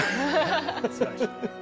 すばらしい。